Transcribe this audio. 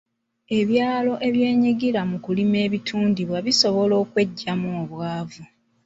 Ebyalo ebyenyigira mu kulima ebitundibwa bisobola okweggya mu bwavu.